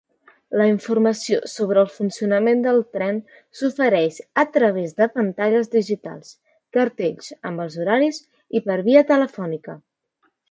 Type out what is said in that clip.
La informació sobre el funcionament del tren s'ofereix a través de pantalles digitals, cartells amb els horaris i per via telefònica.